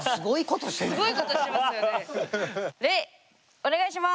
お願いします。